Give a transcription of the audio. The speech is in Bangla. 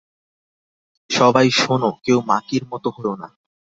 সবাই শোনো, কেউ মাকির মতো হয়ো না।